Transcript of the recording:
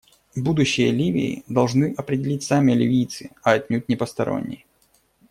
Будущее Ливии должны определить сами ливийцы, а отнюдь не посторонние.